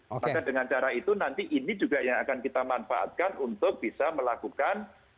maka dengan cara itu nanti ini juga yang akan kita manfaatkan untuk bisa melakukan